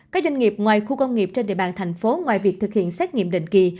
các doanh nghiệp ngoài khu công nghiệp trên địa bàn thành phố ngoài việc thực hiện xét nghiệm định kỳ